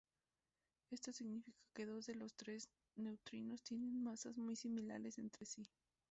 Esto significa que dos de los tres neutrinos tienen masas muy similares entre sí.